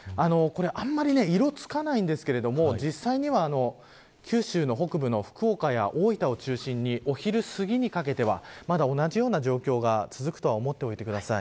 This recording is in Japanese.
あんまり色がつかないんですけれども実際には九州の北部の福岡や大分を中心にお昼すぎにかけてはまだ同じような状況が続くと思っておいてください。